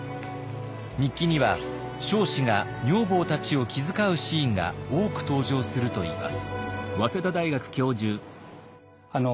日記には彰子が女房たちを気遣うシーンが多く登場するといいます。